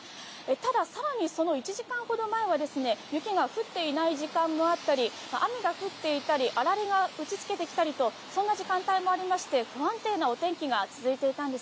ただ、さらにその１時間ほど前は雪が降っていない時間もあったり、雨が降っていたり、あられが打ち付けてきたりとそんな時間帯もありまして、不安定なお天気が続いていたんです。